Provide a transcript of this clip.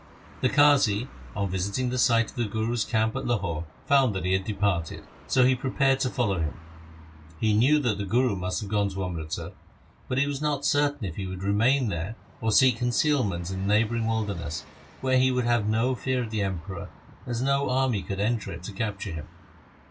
The Qazi, on visiting the site of the Guru's camp at Lahore, found that he had departed, so he pre pared to follow him. He knew that the Guru must nave gone to Amritsar, but he was not certain if he would remain there or seek concealment in the neighbouring wilderness, where he would have no fear of the Emperor, as no army could enter it to capture him.